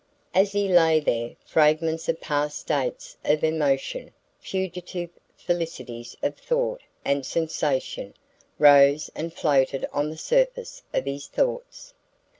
As he lay there, fragments of past states of emotion, fugitive felicities of thought and sensation, rose and floated on the surface of his thoughts.